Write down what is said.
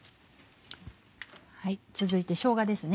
続いてしょうがですね。